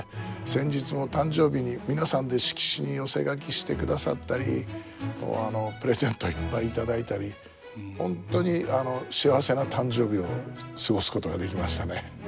先日も誕生日に皆さんで色紙に寄せ書きしてくださったりプレゼントいっぱい頂いたり本当に幸せな誕生日を過ごすことができましたね。